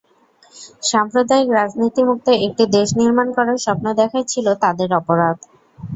সাম্প্রদায়িক রাজনীতিমুক্ত একটি দেশ নির্মাণ করার স্বপ্ন দেখাই ছিল তাঁদের অপরাধ।